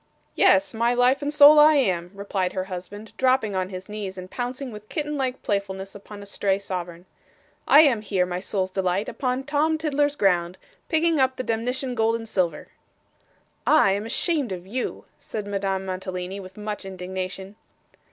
'Yes, my life and soul, I am,' replied her husband, dropping on his knees, and pouncing with kitten like playfulness upon a stray sovereign. 'I am here, my soul's delight, upon Tom Tiddler's ground, picking up the demnition gold and silver.' 'I am ashamed of you,' said Madame Mantalini, with much indignation.